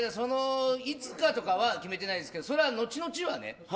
いつかとかは決めてないですけどそれは後々はね。